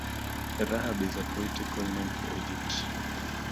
Rahab is a poetical name for Egypt.